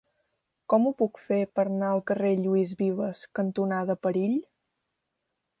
Com ho puc fer per anar al carrer Lluís Vives cantonada Perill?